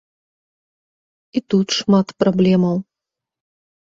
І тут шмат праблемаў.